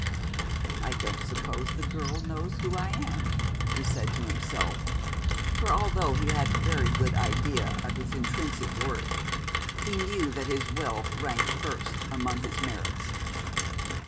'I don't suppose the girl knows who I am,' he said to himself, for although he had a very good idea of his intrinsic worth, he knew that his wealth ranked first among his merits.